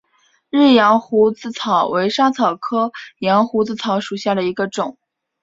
日羊胡子草为莎草科羊胡子草属下的一个种。